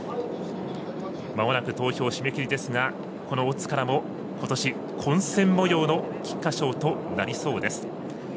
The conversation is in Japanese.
まもなく投票締め切りですがオッズからも、ことし混戦もようの菊花賞となりそうです。